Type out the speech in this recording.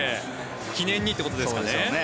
記念にってことですかね。